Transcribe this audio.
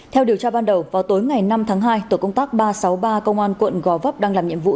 theo điều tra ban đầu vào tối ngày năm tháng hai tổ công tác ba trăm sáu mươi ba công an quận gò vấp đang làm nhiệm vụ